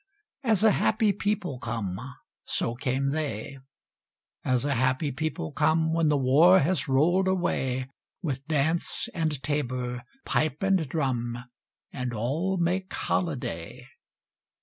As a happy people come, So came they, As a happy people come When the war has roll'd away, With dance and tabor, pipe and drum, And all make holiday.